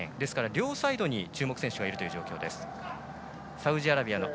両サイドに注目選手がいるという状況です。